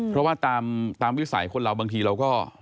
เพราะว่าตามวิสัยคนเราบางทีเราก็